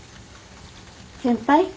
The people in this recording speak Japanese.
先輩。